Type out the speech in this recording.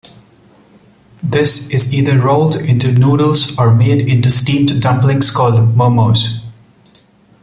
This is either rolled into noodles or made into steamed dumplings called momos.